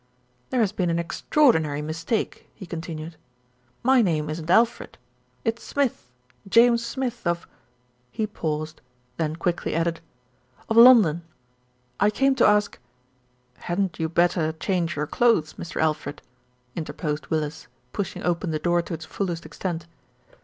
"There has been an extraordinary mistake," he con tinued. "My name isn't Alfred. It's Smith, James Smith of " he paused, then quickly added, "of Lon don. I came to ask " "Hadn't you better change your clothes, Mr. Al fred?" interposed Willis, pushing open the door to its fullest extent.